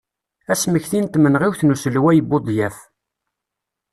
Asmekti n tmenɣiwt n uselway Budyaf.